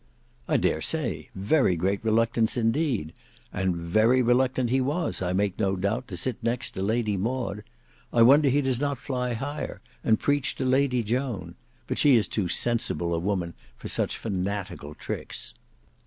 "I dare say; very great reluctance indeed. And very reluctant he was, I make no doubt, to sit next to Lady Maud. I wonder he does not fly higher, and preach to Lady Joan; but she is too sensible a woman for such fanatical tricks."